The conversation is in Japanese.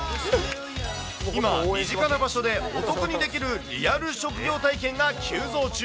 今、身近な場所でお得にできるリアル職業体験が急増中。